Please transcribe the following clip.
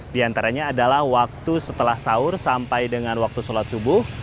di antaranya adalah waktu setelah sahur sampai dengan waktu sholat subuh